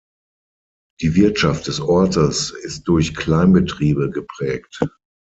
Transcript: Die Wirtschaft des Ortes ist durch Kleinbetriebe geprägt.